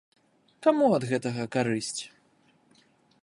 Каму ад гэтага карысць?